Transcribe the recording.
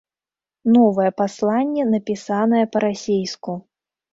Новае пасланне напісанае па-расейску.